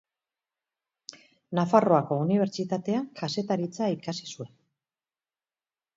Nafarroako Unibertsitatean Kazetaritza ikasi zuen.